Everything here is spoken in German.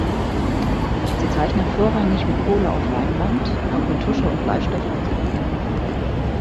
Sie zeichnet vorrangig mit Kohle auf Leinwand und mit Tusche und Bleistift auf Papier.